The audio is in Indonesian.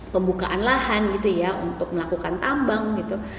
pembukaan lahan gitu ya untuk melakukan tambang gitu